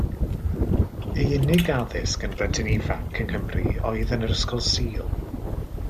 Ei unig addysg yn blentyn ifanc yng Nghymru oedd yn yr Ysgol Sul.